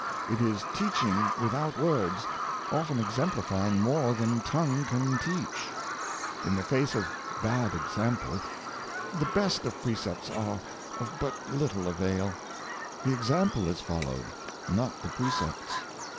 It is teaching without words, often exemplifying more than tongue can teach. In the face of bad example, the best of precepts are of but little avail. The example is fol lowed, not the precepts.